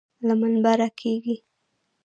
له منبره کېږي.